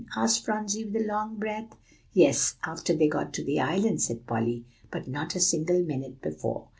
asked Phronsie, with a long breath. "Yes, after they got to the island," said Polly, "but not a single minute before.